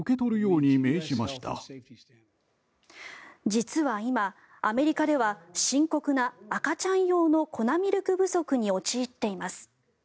実は今、アメリカでは深刻な赤ちゃん用の粉ミルク不足に陥っています。